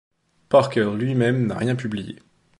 Parker lui-même n'a rien publié.